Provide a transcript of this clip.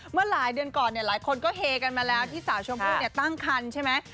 เมื่อหลายเดือนก่อนหลายคนก็เฮกันมาแล้วที่สาวชมพู่ตั้งคันใช่ไหม